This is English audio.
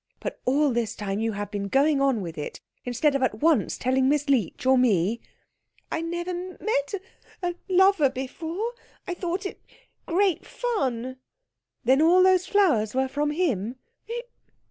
"But all this time you have been going on with it, instead of at once telling Miss Leech or me." "I never met a a lover before I thought it great fun." "Then all those flowers were from him?"